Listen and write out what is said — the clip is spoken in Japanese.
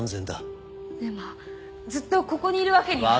でもずっとここにいるわけには。